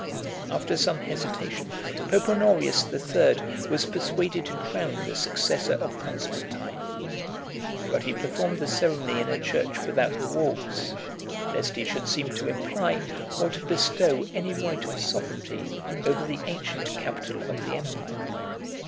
After some hesitation, Pope Honorius the Third was persuaded to crown the successor of Constantine: but he performed the ceremony in a church without the walls, lest he should seem to imply or to bestow any right of sovereignty over the ancient capital of the empire.